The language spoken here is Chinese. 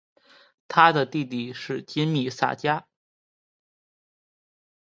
他的弟弟是金密萨加。